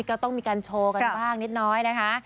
ก็ต้องมีการโชว์กันบ้างนิดน้อยนะคะ